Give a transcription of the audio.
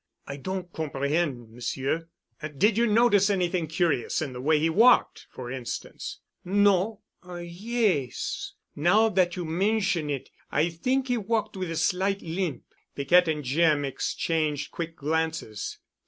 "I don't comprehend, M'sieu." "Did you notice anything curious in the way he walked for instance?" "No—yes. Now that you mention it, I think he walked with a slight limp." Piquette and Jim exchanged quick glances.